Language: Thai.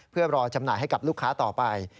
เพื่อรอจำหน่ายให้กับลูกค้าต่อไป